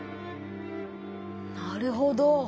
なるほど。